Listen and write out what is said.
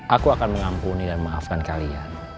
aku akan mengampuni dan memaafkan kalian